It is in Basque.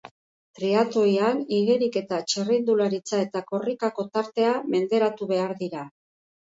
Triatloian igeriketa, txirrindularitza eta korrikako tartea menderatu behar dira.